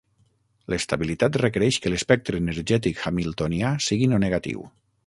L'estabilitat requereix que l'espectre energètic hamiltonià sigui no negatiu.